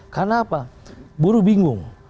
karena apa buruh bingung